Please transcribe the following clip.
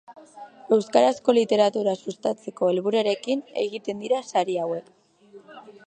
Euskarazko literatura sustatzeko helburuarekin egiten dira sari hauek.